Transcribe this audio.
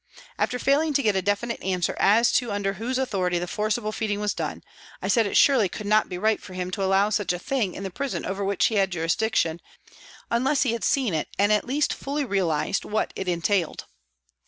After failing to get a definite answer as to under whose authority the forcible feeding was done, I said it surely could not be right for him to allow such a thing in the prison over which he had jurisdiction, unless he had seen it and at least fully realised what it entailed.